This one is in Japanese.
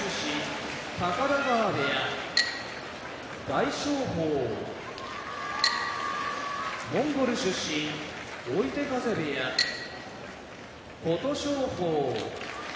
大翔鵬モンゴル出身追手風部屋琴勝峰